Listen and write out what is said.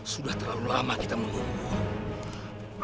sudah terlalu lama kita mengumpulkan